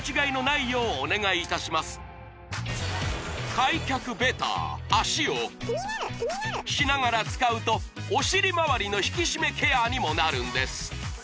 開脚ベター脚を○○しながら使うとお尻まわりの引き締めケアにもなるんです